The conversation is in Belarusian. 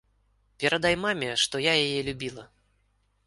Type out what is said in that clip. Перадай маме, што я яе любіла.